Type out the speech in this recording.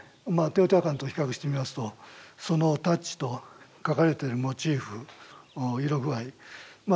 テオティワカンと比較してみますとそのタッチと描かれてるモチーフ色具合ま